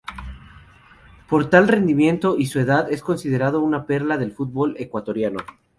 Por tal rendimiento y su edad es considerado una perla del futbol ecuatoriano.